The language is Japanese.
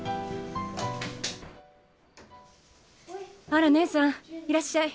あらねえさんいらっしゃい。